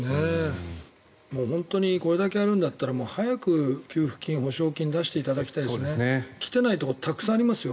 本当にこれだけやるんだったら早く給付金、補償金を出してほしいですね。来ていないところたくさんありますよ。